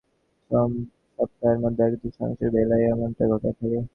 প্রেমে প্রত্যাখ্যাত হওয়ার চার সপ্তাহের মধ্যে এক-তৃতীয়াংশের বেলায়ই এমনটা ঘটে থাকে।